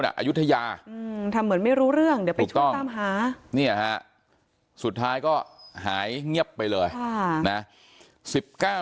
น้องจ้อยนั่งก้มหน้าไม่มีใครรู้ข่าวว่าน้องจ้อยเสียชีวิตไปแล้ว